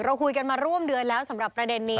เราคุยกันมาร่วมเดือนแล้วสำหรับประเด็นนี้